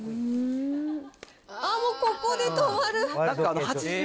あっ、もう、ここで止まる。